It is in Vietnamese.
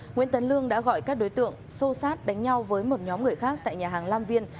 nguyễn tấn lương đã gọi các đối tượng xô xát đánh nhau với một nhóm người khác tại nhà hàng lam viên